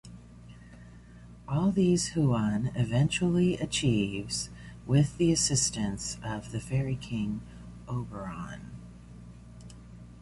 All these Huon eventually achieves with the assistance of the fairy king Oberon.